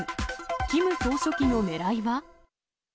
キム総書記のねらいは？